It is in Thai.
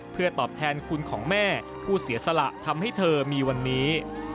เพื่อตอบแทนคุณของแม่ผู้เสียสละทำให้เธอมีวันนี้